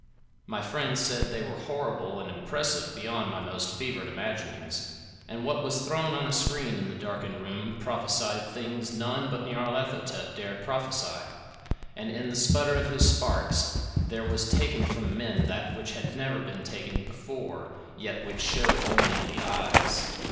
My friend said they were horrible and impressive beyond my most fevered imaginings; that what was thrown on a screen in the darkened room prophesied things none but Nyarlathotep dared prophesy, and that in the sputter of his sparks there was taken from men that which had never been taken before yet which shewed only in the eyes.